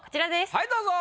はいどうぞ。